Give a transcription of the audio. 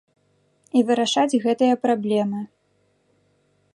І вырашаць гэтыя праблемы.